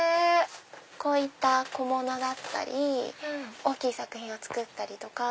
こういった小物だったり大きい作品を作ったりとか。